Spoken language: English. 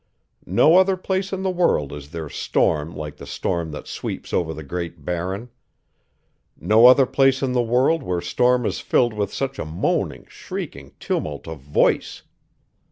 No other place in the world is there storm like the storm that sweeps over the Great Barren; no other place in the world where storm is filled with such a moaning, shrieking tumult of VOICE.